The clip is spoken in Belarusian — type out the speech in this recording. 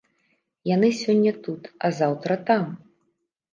Яны сёння тут, а заўтра там.